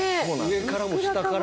上からも下からも。